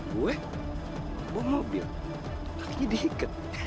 gue bawa mobil kakinya diiket